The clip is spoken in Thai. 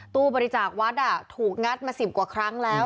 ตู้บริจาควัดถูกงัดมา๑๐กว่าครั้งแล้ว